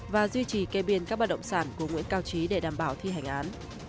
và duy trì kê biên các bất động sản của nguyễn cao trí để đảm bảo thi hành án